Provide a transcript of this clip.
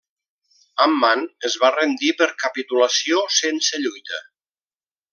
Amman es va rendir per capitulació sense lluita.